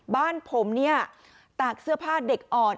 บ้านผมเนี่ยตากเสื้อผ้าเด็กอ่อน